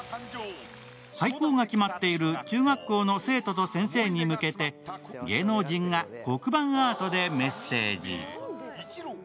廃校が決まっている中学校の生徒と先生に向けて芸能人が黒板アートでメッセージ。